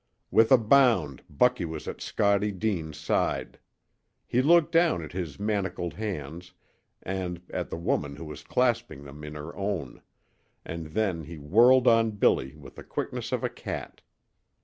With a bound Bucky was at Scottie Deane's side. He looked down at his manacled hands and at the woman who was clasping them in her own, and then he whirled on Billy with the quickness of a cat.